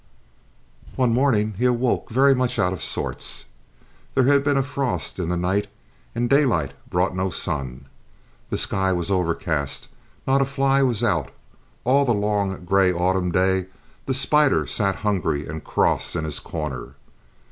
One morning he awoke very much out of sorts. There had been a frost in the night, and daylight brought no sun. The sky was overcast; not a fly was out. All the long gray autumn day the spider sat hungry and cross in his corner.